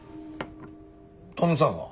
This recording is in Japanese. トムさんは？